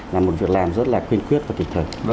là một việc làm rất là quyên quyết và tùy thời